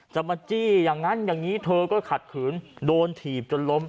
จะมาจี้อย่างนั้นอย่างนี้เธอก็ขัดขืนโดนถีบจนล้ม